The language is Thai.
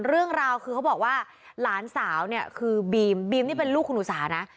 เรื่องราวคือเขาบอกว่าหลานสาวเนี่ยคือบีมบีมนี่เป็นลูกคุณอุสานะ